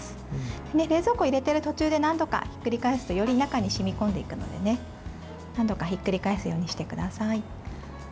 冷蔵庫に入れてる途中で何度か繰り返すとより中に染み込んでいくので何度かひっくり返すようにしてください。